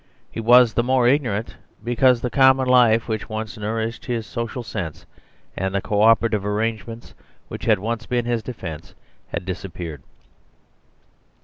He was the more ignorant because the common life which once nourished his social sense and the co operative arrangements which had once been his defence had disappeared.